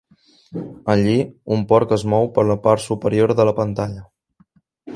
Allí, un porc es mou per la part superior de la pantalla.